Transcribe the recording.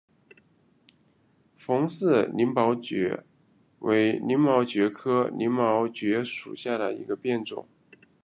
冯氏鳞毛蕨为鳞毛蕨科鳞毛蕨属下的一个变种。